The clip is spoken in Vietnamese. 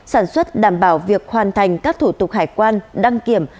sản xuất đảm bảo việc hoàn thành các thủ tục hải quan đăng kiểm